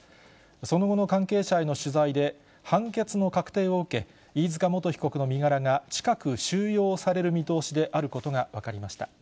その後の関係者への取材で、判決の確定を受け、飯塚元被告の身柄が近く収容される見通しであることが分かりました。